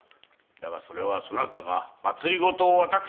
だがそれはそなたが政を私したからだ。